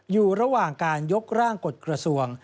อยู่ระหว่างการยกร่างกฎกระทรวง